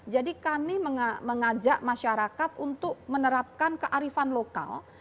jadi kami mengajak masyarakat untuk menerapkan kearifan lokal